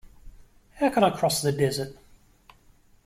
How can I cross the desert?